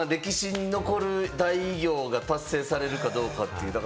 歴史に残る大偉業が達成されるかどうか。